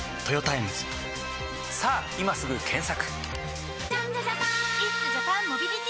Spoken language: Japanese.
さぁ今すぐ検索！